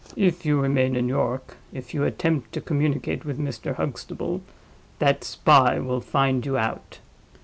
If you remain in York, if you attempt to communicate with Mr. Huxtable, that spy will find you out.